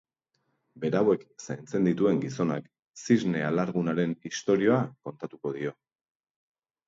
Berauek zaintzen dituen gizonak zisne alargunaren istorioa kontatuko dio.